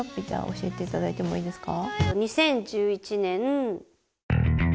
教えていただいてもいいですか。